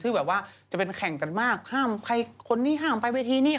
ซึ่งจะเป็นแข่งกันมากคนนี้ห้ามไปเวทีนี้